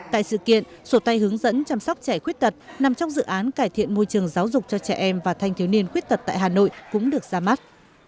tại sự kiện sổ tay hướng dẫn chăm sóc trẻ khuyết tật nằm trong dự án cải thiện môi trường giáo dục cho trẻ em và thanh thiếu niên khuyết tật tại hà nội cũng được ra mắt